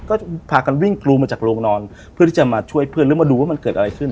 ก็พากันวิ่งกรูมาจากโรงนอนเพื่อที่จะมาช่วยเพื่อนแล้วมาดูว่ามันเกิดอะไรขึ้น